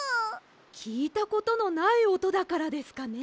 きいたことのないおとだからですかね。